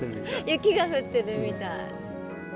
雪が降ってるみたい。